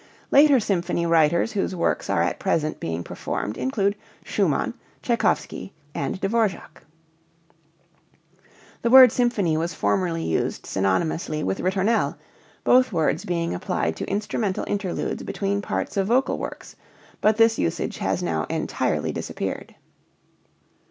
Later symphony writers whose works are at present being performed include Schumann, Tschaikowsky, and Dvo[vr]ák. The word symphony was formerly used synonymously with ritornelle, both words being applied to instrumental interludes between parts of vocal works, but this usage has now entirely disappeared.